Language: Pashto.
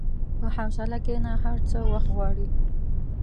په حوصله کښېنه، هر څه وخت غواړي.